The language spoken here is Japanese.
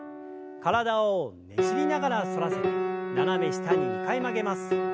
体をねじりながら反らせて斜め下に２回曲げます。